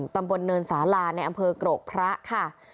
ตำบลเนินสาลาในอำเภอกรกพระค่ะ